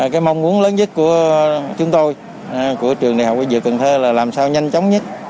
cái mong muốn lớn nhất của chúng tôi của trường đại học y dược cần thơ là làm sao nhanh chóng nhất